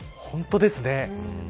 本当ですね。